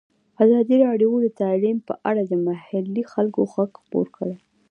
ازادي راډیو د تعلیم په اړه د محلي خلکو غږ خپور کړی.